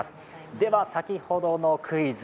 では、先ほどのクイズ。